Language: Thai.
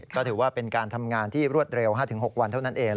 ก็ถือว่าเป็นการทำงานที่รวดเร็ว๕๖วันเท่านั้นเอง